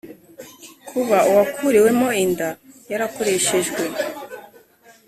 kuba uwakuriwemo inda yarakoreshejwe